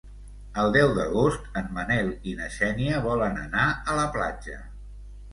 El deu d'agost en Manel i na Xènia volen anar a la platja.